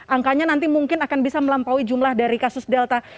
angkanya nanti mungkin akan bisa melampaui jumlah dari kasus delta